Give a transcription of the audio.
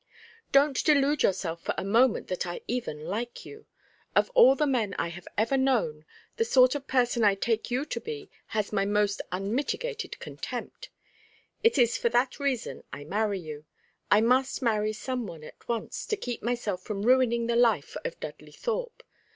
"Don't delude yourself for a moment that I even like you. Of all the men I have ever known, the sort of person I take you to be has my most unmitigated contempt. It is for that reason I marry you. I must marry some one at once to keep myself from ruining the life of Dudley Thorpe.